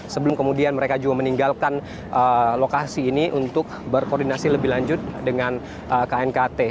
sebelum kemudian mereka juga meninggalkan lokasi ini untuk berkoordinasi lebih lanjut dengan knkt